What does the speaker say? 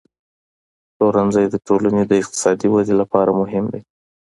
پلورنځی د ټولنې د اقتصادي ودې لپاره مهم دی.